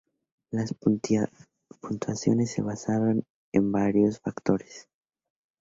Las puntuaciones se basaron en varios factores.